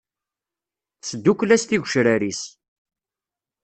Tesdukel-as tigecrar-is.